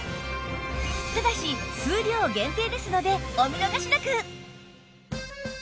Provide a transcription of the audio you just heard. ただし数量限定ですのでお見逃しなく！